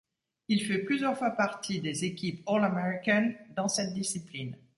Il fait plusieurs fois partie des équipes All-American dans cette discipline.